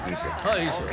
いいっすよ。